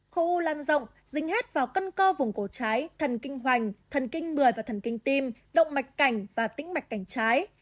khu u lan rộng dính hết vào cân cơ vùng cổ trái thần kinh hoành thần kinh mười và thần kinh tim động mạch cảnh và tĩnh mạch cảnh trái